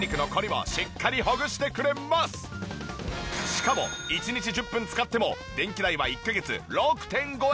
しかも１日１０分使っても電気代は１カ月６．５円。